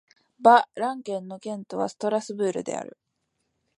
バ＝ラン県の県都はストラスブールである